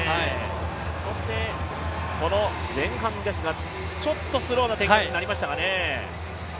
そしてこの前半ですがちょっとスローな展開になりましたかね。